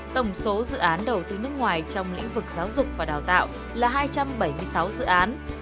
tổng số dự án đầu tư nước ngoài trong lĩnh vực giáo dục và đào tạo là hai trăm bảy mươi sáu dự án